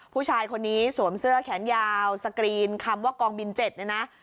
ผู้ชายคนนี้สวมเสื้อแขนยาวสกรีนคำว่ากองบิน๗เนี่ยนะ